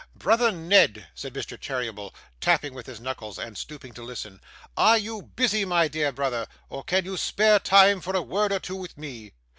'Brother Ned,' said Mr. Cheeryble, tapping with his knuckles, and stooping to listen, 'are you busy, my dear brother, or can you spare time for a word or two with me?